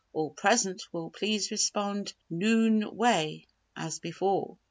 All present will please respond 'Noon way' as before."